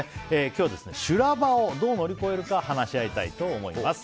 今日は修羅場をどう乗り越えるか話し合いたいと思います。